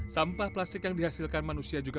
sampah plastik yang dihasilkan manusia juga